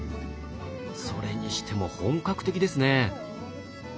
それにしても本格的ですね。